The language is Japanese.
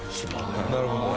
なるほどね。